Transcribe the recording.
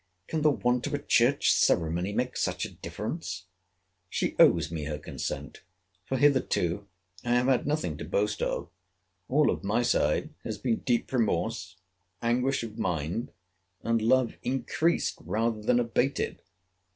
Can the want of a church ceremony make such a difference! She owes me her consent; for hitherto I have had nothing to boast of. All of my side, has been deep remorse, anguish of mind, and love increased rather than abated.